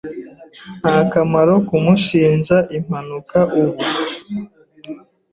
Nta kamaro kumushinja impanuka ubu.